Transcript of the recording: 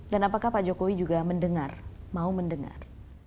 dan apakah pak jokowi juga mendengar mau mendengar